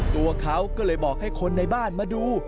ตัวเขาก็เลยบอกให้คนในบ้านมาดู